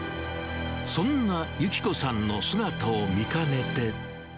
そんな由紀子さんの姿を見かねて。